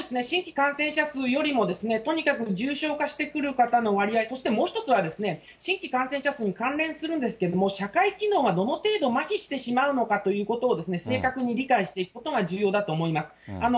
新規感染者数よりも、とにかく重症化してくる方の割合、そしてもう１つは、新規感染者数に関連するんですけれども、社会機能がどの程度まひしてしまうのかということを、正確に理解していくことが重要だと思います。